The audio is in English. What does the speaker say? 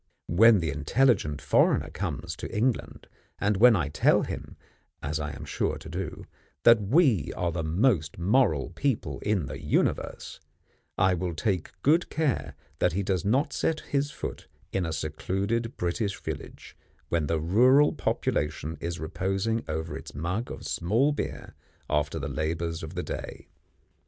When the intelligent foreigner comes to England, and when I tell him (as I am sure to do) that we are the most moral people in the universe, I will take good care that he does not set his foot in a secluded British village when the rural population is reposing over its mug of small beer after the labours of the day.